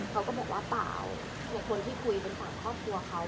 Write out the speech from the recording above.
เขาก็บอกว่าป่าวเหมือนคนที่คุยเป็นภาพครอบครัวเขา